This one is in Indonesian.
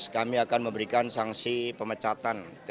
kami akan memberikan sanksi pemecatan